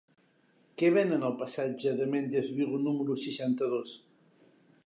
Què venen al passatge de Méndez Vigo número seixanta-dos?